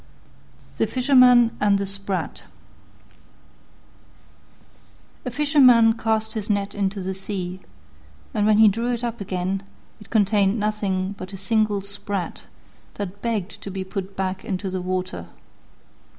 THE FISHERMAN AND THE SPRAT A Fisherman cast his net into the sea, and when he drew it up again it contained nothing but a single Sprat that begged to be put back into the water.